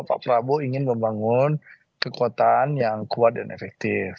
pak prabowo ingin membangun kekuatan yang kuat dan efektif